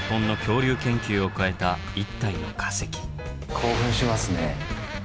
興奮しますね。